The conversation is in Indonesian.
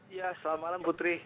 iya selamat malam putri